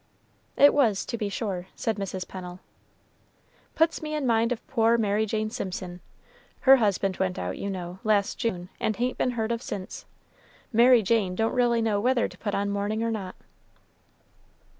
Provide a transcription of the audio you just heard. "It was, to be sure," said Mrs. Pennel. "Puts me in mind of poor Mary Jane Simpson. Her husband went out, you know, last June, and hain't been heard of since. Mary Jane don't really know whether to put on mourning or not."